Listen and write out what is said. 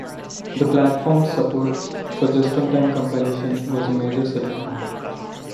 The platform’s support for just-in-time compilation was a major selling point.